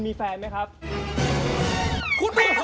กับพอรู้ดวงชะตาของเขาแล้วนะครับ